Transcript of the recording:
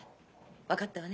分かったわね？